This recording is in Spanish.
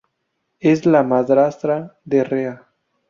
Es la madrastra de Rea.